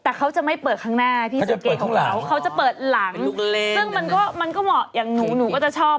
แต่เขาจะไม่เปิดข้างหน้าพี่สังเกตของเขาเขาจะเปิดหลังซึ่งมันก็มันก็เหมาะอย่างหนูหนูก็จะชอบ